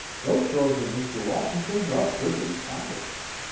Those curls of Mr. Washington's are prettily powdered."